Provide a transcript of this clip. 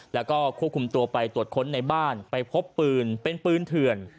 แล้วก็ควบคุมตัวไปตรวจค้นในบ้านไปพบปืนเป็นปืนเถื่อน